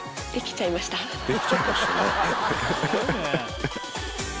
できちゃいましたね。